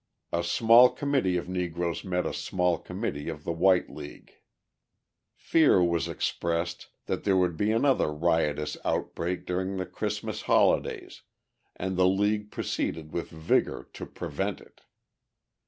A small committee of Negroes met a small committee of the white league. Fear was expressed that there would be another riotous outbreak during the Christmas holidays, and the league proceeded with vigour to prevent it.